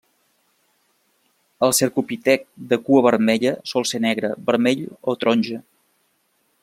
El cercopitec de cua vermella sol ser negre, vermell o taronja.